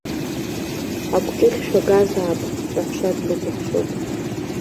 Агәҿыӷь шәагазаап, баҳәшьа дбыкәыхшоуп.